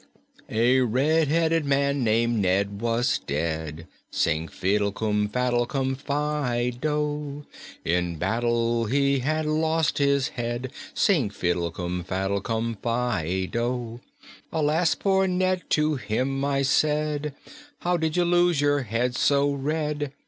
"A red headed man named Ned was dead; Sing fiddle cum faddle cum fi do! In battle he had lost his head; Sing fiddle cum faddl cum fi do! 'Alas, poor Ned,' to him I said, 'How did you lose your head so red?'